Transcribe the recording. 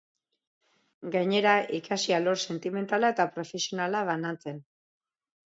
Gainera, ikasi alor sentimentala eta profesionala banantzen.